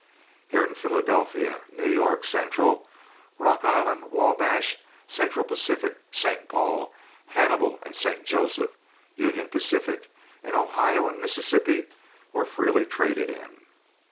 Here in Philadelphia, New York Central, Rock Island, Wabash, Central Pacific, St. Paul, Hannibal & St. Joseph, Union Pacific, and Ohio & Mississippi were freely traded in.